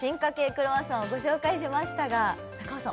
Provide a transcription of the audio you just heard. クロワッサンをご紹介しましたが中尾さん